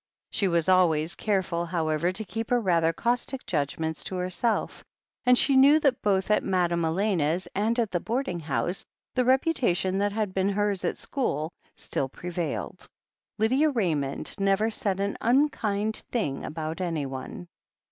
She was always careful, however, to keep her rather caustic judgments to herself, and she knew that both at Madame Elena's and at the boarding house the rep utation that had been hers at school still prevailed: Lydia Raymond never said an unkind thing about anyone.